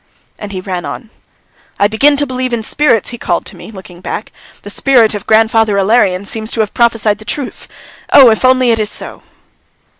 And he ran on. "I begin to believe in spirits," he called to me, looking back. "The spirit of grandfather Ilarion seems to have prophesied the truth! Oh, if only it is so!"